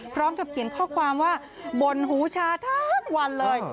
พร้อมกับเขียนข้อความว่าบ่นหูชาทั้งวันเลย